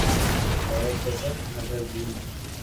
اورجاذب نظربھی۔